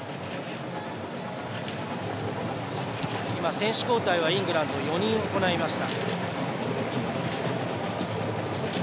選手交代はイングランド４人、行いました。